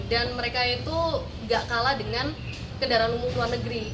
dan mereka itu nggak kalah dengan kendaraan umum luar negeri